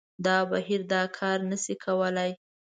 دا بهیر دا کار نه شي کولای